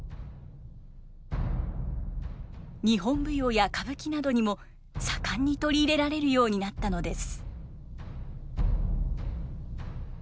日本舞踊や歌舞伎などにも盛んに取り入れられるようになったのです。